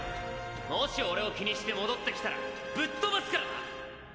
もし俺を気にして戻ってきたらぶっ飛ばすからな！